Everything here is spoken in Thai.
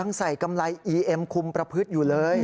ในซอย